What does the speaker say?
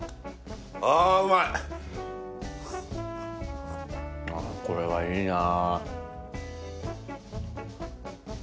ああこれはいいな。